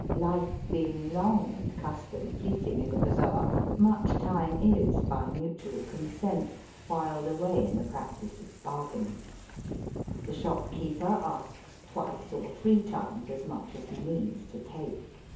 Life being long and custom fleeting in the bazaar, much time is, by mutual consent, whiled away in the practice of bargaining. The shopkeeper asks twice or three times as much as he means to take.